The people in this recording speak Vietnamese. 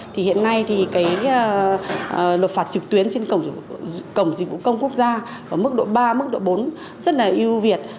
thì hiện nay thì cái nộp phạt trực tuyến trên cổng dịch vụ công quốc gia ở mức độ ba mức độ bốn rất là ưu việt